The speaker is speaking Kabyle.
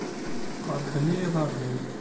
Qerrḥen-iyi iḍarren-iw.